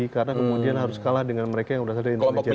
karena kemudian harus kalah dengan mereka yang sudah ada intelijen